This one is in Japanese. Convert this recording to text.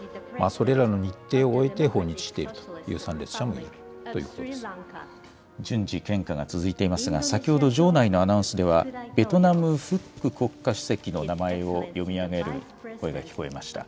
それらの日程を終えて、訪日しているという参列者もいるというこ順次、献花が続いていますが、先ほど場内のアナウンスでは、ベトナム、フック国家主席の名前を読み上げる声が聞こえました。